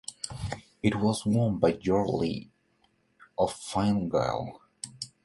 It was won by George Lee of Fine Gael.